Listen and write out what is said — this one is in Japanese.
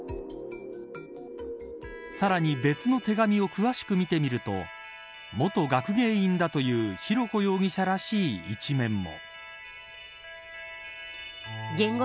さらに別の手紙を詳しく見てみると元学芸員だという浩子容疑者らしい一面も。